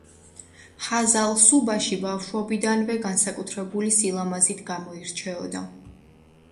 ჰაზალ სუბაში ბავშვობიდანვე განსაკუთრებული სილამაზით გამოირჩეოდა.